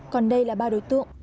còn đây là ba đối tượng